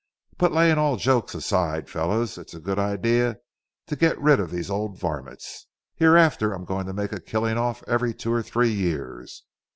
But laying all jokes aside, fellows, it's a good idea to get rid of these old varmints. Hereafter, I'm going to make a killing off every two or three years.